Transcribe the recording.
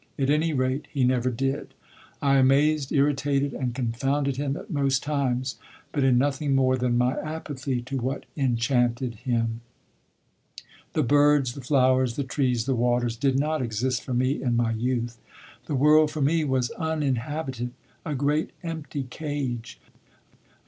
At any rate, he never did. I amazed, irritated, and confounded him at most times, but in nothing more than my apathy to what enchanted him. The birds, the flowers, the trees, the waters did not exist for me in my youth. The world for me was uninhabited, a great empty cage.